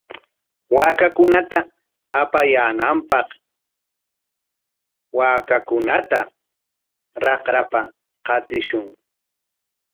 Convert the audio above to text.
Yakuta apuyaananpaq waakakunata raqrapa qatishun.